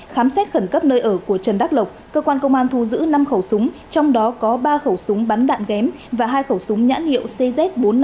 khám xét khẩn cấp nơi ở của trần đắc lộc cơ quan công an thu giữ năm khẩu súng trong đó có ba khẩu súng bắn đạn ghém và hai khẩu súng nhãn hiệu cz bốn trăm năm mươi tám